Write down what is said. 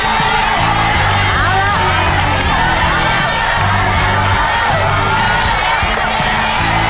มีคำด้วยครับ